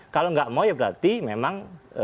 kalau nggak mau ya berarti memang